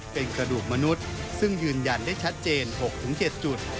เป็นกระดูกมนุษย์ซึ่งยืนยันได้ชัดเจน๖๗จุด